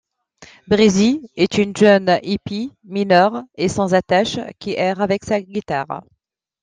Breezy est une jeune hippie mineure et sans attaches, qui erre avec sa guitare.